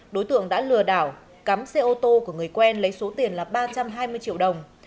đối tượng đã lừa đảo cắm xe ô tô của người quen lấy số tiền là ba trăm hai mươi triệu đồng